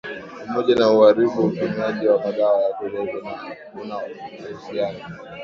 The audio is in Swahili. Pamoja na uharifu utumiaji wa madawa ya kulevya una uhusiano